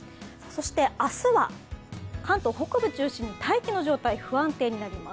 明日は関東北部中心に大気の状態、不安定になります。